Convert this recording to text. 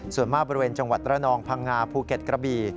ส่วนมากบริเวณจังหวัดระนองพังงาภูเก็ตกระบี่